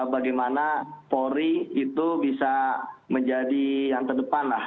bagaimana polri itu bisa menjadi yang terdepan lah